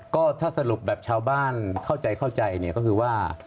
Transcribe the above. ก็ถ้าสรุปแบบชาวบ้านเข้าใจเข้าใจเนี่ยก็คือว่า